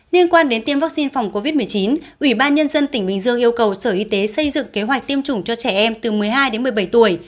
liên quan đến tiêm vaccine phòng covid một mươi chín ủy ban nhân dân tỉnh bình dương yêu cầu sở y tế xây dựng kế hoạch tiêm chủng cho trẻ em từ một mươi hai đến một mươi bảy tuổi